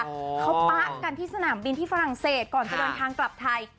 เขาปะกันที่สนามบินที่ฝรั่งเศสก่อนจะเดินทางกลับไทย